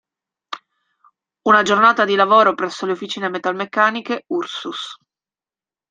Una giornata di lavoro presso le officine metalmeccaniche Ursus.